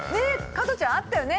カトちゃんあったよね！